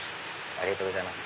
ありがとうございます。